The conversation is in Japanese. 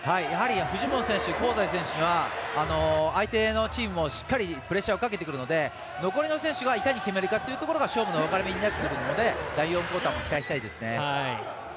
藤本選手、香西選手は相手のチームもしっかりプレッシャーをかけてくるので残りの選手がいかに決めるかが勝負の分かれ目になるので第４クオーターも期待したいですね。